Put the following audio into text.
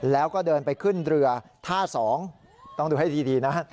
แล้วก็เดินไปขึ้นเรือท่า๒ต้องดูให้ดีนะ